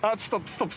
ストップ！